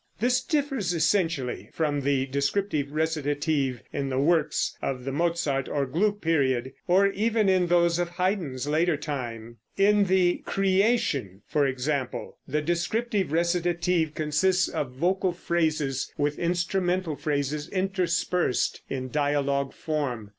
This differs essentially from the descriptive recitative in the works of the Mozart or Gluck period, or even in those of Haydn's later time. In the "Creation," for example, the descriptive recitative consists of vocal phrases with instrumental phrases interspersed, in dialogue form.